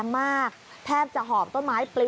ว่าออกทางสิพี่